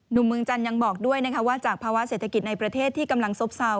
เมืองจันทร์ยังบอกด้วยนะคะว่าจากภาวะเศรษฐกิจในประเทศที่กำลังซบเซา